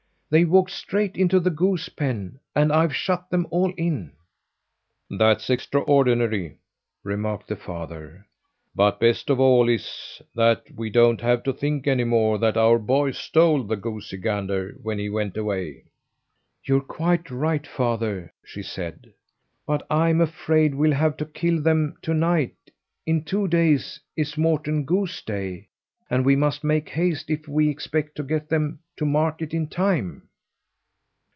They walked straight into the goose pen, and I've shut them all in." "That's extraordinary," remarked the father. "But best of all is that we don't have to think any more that our boy stole the goosey gander when he went away." "You're quite right, father," she said. "But I'm afraid we'll have to kill them to night. In two days is Morten Gooseday and we must make haste if we expect to get them to market in time."